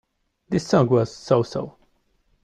The song was so-so.